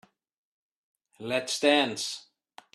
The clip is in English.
Let's dance.